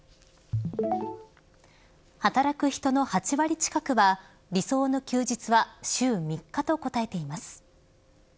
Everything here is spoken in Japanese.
働く人の８割近くは理想の休日は週３日と答えています。